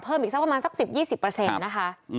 ขอเพิ่มอีกสักประมาณสัก๑๐๒๐นะคะ